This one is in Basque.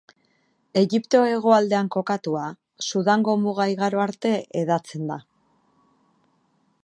Egipto hegoaldean kokatua, Sudango muga igaro arte hedatzen da.